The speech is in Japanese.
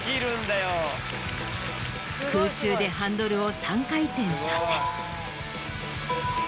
空中でハンドルを３回転させ。